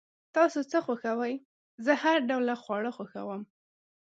تاسو څه خوښوئ؟ زه هر ډوله خواړه خوښوم